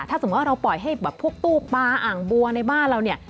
ถ้าสมมุติว่าเราปล่อยให้แบบพวกตู้ปลาอ่างบัวในบ้านเราเนี่ย